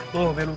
lo belu tau